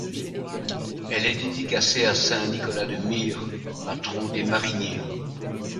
Elle est dédicacée à saint Nicolas de Myre, patron des mariniers.